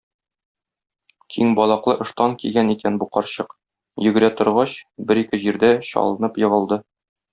Киң балаклы ыштан кигән икән бу карчык, йөгерә торгач, бер-ике җирдә чалынып егылды.